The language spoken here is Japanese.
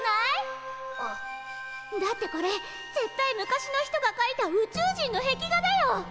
だってこれ絶対昔の人がかいた宇宙人の壁画だよ！